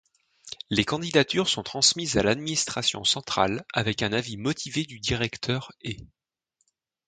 Les candidatures sont transmises à l’administration centrale avec un avis motivé du directeur et.